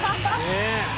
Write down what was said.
ねえ。